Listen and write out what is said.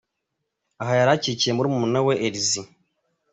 Aha yari akikiye murumuna we Elsie.